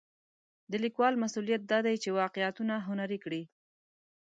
د لیکوال مسوولیت دا دی چې واقعیتونه هنري کړي.